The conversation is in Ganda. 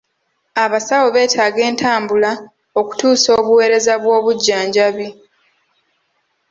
Abasawo beetaaga entambula okutuusa obuweereza bw'obujjanjabi.